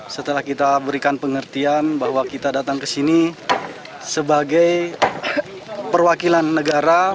setelah kita berikan pengertian bahwa kita datang ke sini sebagai perwakilan negara